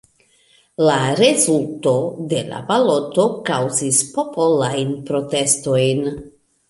La rezulto de la baloto kaŭzis popolajn protestojn.